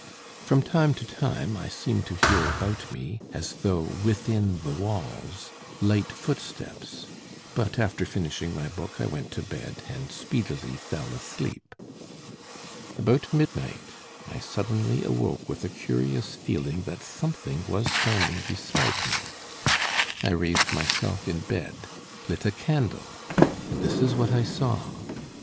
From time to time I seemed to hear about me, as though within the walls, light footsteps; but after finishing my book I went to bed, and speedily fell asleep. "About midnight I suddenly awoke with a curious feeling that something was standing beside me. I raised myself in bed, lit a candle, and this is what I saw.